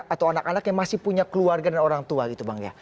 atau anak anak yang masih punya keluarga dan orang tua gitu bang ya